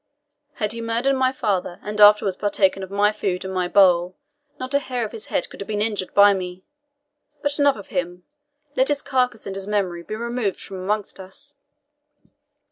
Had he murdered my father, and afterwards partaken of my food and my bowl, not a hair of his head could have been injured by me. But enough of him let his carcass and his memory be removed from amongst us."